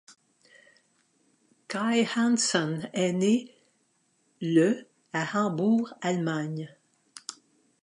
Kai Hansen est né le à Hambourg, Allemagne.